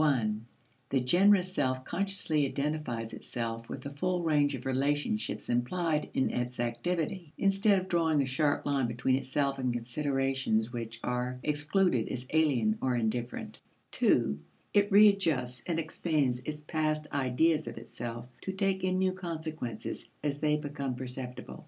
(i) The generous self consciously identifies itself with the full range of relationships implied in its activity, instead of drawing a sharp line between itself and considerations which are excluded as alien or indifferent; (ii) it readjusts and expands its past ideas of itself to take in new consequences as they become perceptible.